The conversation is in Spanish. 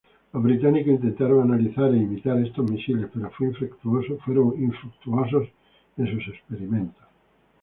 Los británicos intentaron analizar e imitar estos misiles, pero fue infructuoso en sus experimentos.